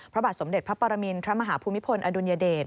พระบาทสมเด็จพระปรมินทรมาฮภูมิพลอดุลยเดช